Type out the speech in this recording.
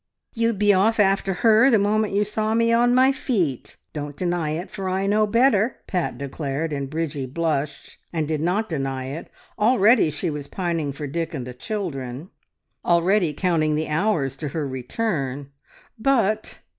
"You'd be off after her, the moment you saw me on my feet. Don't deny it, for I know better!" Pat declared, and Bridgie blushed, and did not deny it. Already she was pining for Dick and the children; already counting the hours to her return, but...